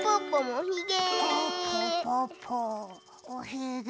おひげ！